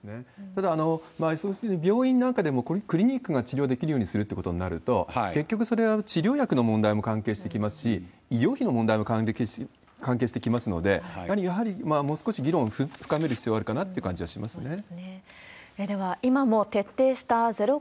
ただ、要するに病院なんかでもクリニックが治療できるようにするということになると、結局、それは治療薬の問題も関係してきますし、医療費の問題も関係してきますので、やはりもう少し議論深める必要はあるかなって感じがしますね。